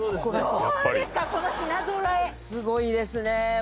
すごいですね。